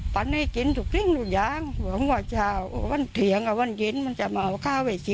ไพ่ชั่ปให้พัยลูกได้วันก่ำเลย